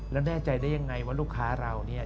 แล้วแน่ใจได้ยังไงว่าลูกค้าเราเนี่ย